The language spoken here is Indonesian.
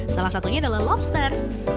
salah satunya adalah lobster